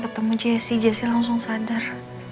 ketemu jesse jesse langsung sadar